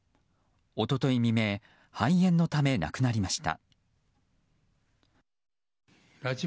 一昨日未明、肺炎のため亡くなりました。